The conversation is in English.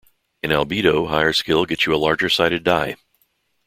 In Albedo, higher skill gets you a larger sided die.